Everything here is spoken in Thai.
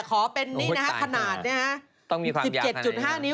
จะขอเป็นขนาด๑๗๕นิ้ว